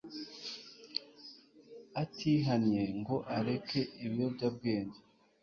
atihannye ngo areke ibiyobyabwenge